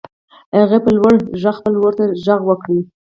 هغې په لوړ غږ خپل ورور ته غږ وکړ.